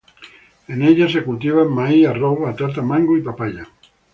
En ellas se cultivan maíz, arroz, batata, mango y papaya.